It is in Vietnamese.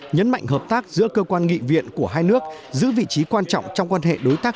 nhấn mạnh hợp tác giữa cơ quan nghị viện của hai nước giữ vị trí quan trọng trong quan hệ đối tác